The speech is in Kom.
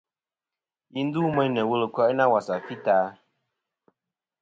Ghɨ ndu meyn nɨ̀ wul ɨ ko'inɨ a wasà fità.